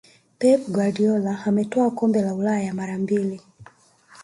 pep guardiola ametwaa kombe la ulaya mara mbili